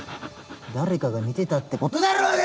誰かが見てたってことだろうが！